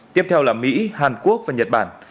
tiếp theo là mỹ hàn quốc và nhật bản